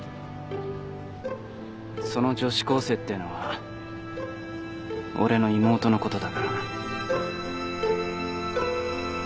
その女子高生ってのは俺の妹のことだからな。